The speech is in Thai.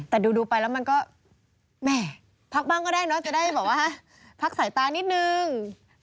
แต่ดูไปแล้วมันก็แหม่พักบ้างก็ได้เนอะจะได้แบบว่าพักสายตานิดนึง